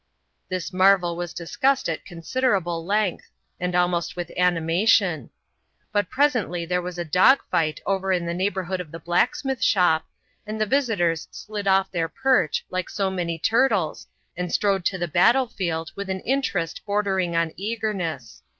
This marvel was discussed at considerable length; and almost with animation. But presently there was a dog fight over in the neighborhood of the blacksmith shop, and the visitors slid off their perch like so many turtles and strode to the battle field with an interest bordering on eagerness.